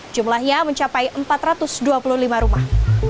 jumlahnya mencapai empat ratus dua puluh lima rumah